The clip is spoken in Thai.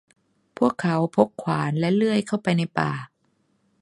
พวกเขาพกขวานและเลื่อยเข้าไปในป่า